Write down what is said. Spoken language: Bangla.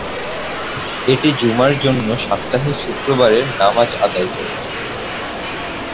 এটি জুমার জন্য সাপ্তাহিক শুক্রবারের নামাজ আদায় করে।